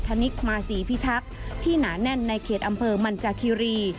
ธนิกมาศรีพิทักษ์ที่หนาแน่นในเขตอำเภอมันจากคิรี